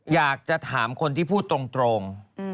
อยากจะถามคนที่พูดตรง